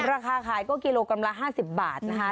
ราคาขายก็กิโลกรัมละ๕๐บาทนะคะ